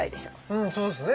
うんそうですね。